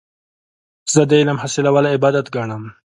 زه د علم حاصلول عبادت ګڼم.